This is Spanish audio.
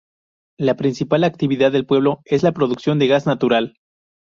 La principal actividad del pueblo es la producción de gas natural.